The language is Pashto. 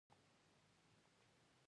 هغه غره ته لاړ او هلته یې سکون وموند.